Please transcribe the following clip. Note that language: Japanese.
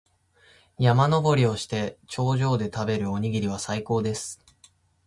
山登りをして、頂上で食べるおにぎりは最高です。